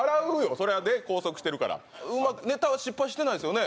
そりゃね拘束してるからネタは失敗してないですよね？